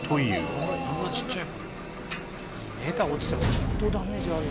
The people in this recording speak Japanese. ２メーター落ちたら相当ダメージある。